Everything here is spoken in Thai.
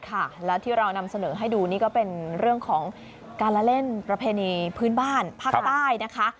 ค่ะแล้วที่เรานำเสนอให้ดูนี่ก็เป็นเรื่องของการละเล่นประเพณีพื้นบ้านภาคใต้นะคะ